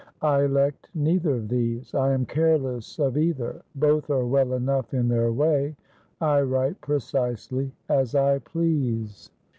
I elect neither of these; I am careless of either; both are well enough in their way; I write precisely as I please.